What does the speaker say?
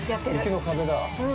◆雪の壁だ。